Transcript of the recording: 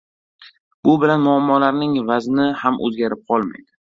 Bu bilan muammolarning “vazn”i ham oʻzgarib qolmaydi.